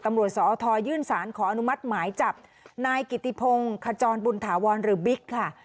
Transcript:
ตำรวจสอทยื่นสารขออนุมัติหมายจับนายกิติพงศ์ขจรบุญถาวรหรือบิ๊กค่ะ